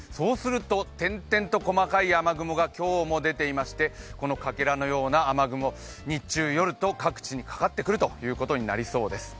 点々と細かい雨雲が今日も出ていましてこのかけらのような雨雲、日中、夜と各地にかかってくるということになりそうです。